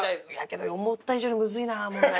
けど思った以上にむずいな問題。